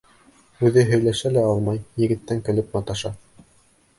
Үҙе һөйләшә лә алмай, егеттән көлөп маташа.